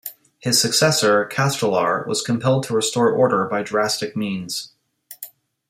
His successor, Castelar, was compelled to restore order by drastic means.